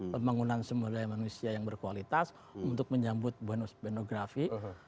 pembangunan semudaya manusia yang berkualitas untuk menjemput bonus demografi